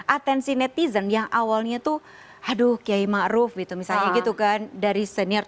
atensi netizen yang awalnya tuh aduh kiai ma'ruf gitu misalnya gitu kan dari senior